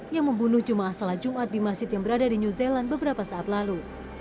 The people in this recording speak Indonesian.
yang membunuh jemaah salat jumat di masjid yang berada di new zealand beberapa saat lalu